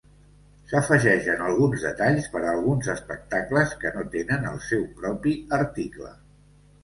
S'afegeixen alguns detalls per a alguns espectacles que no tenen el seu propi article.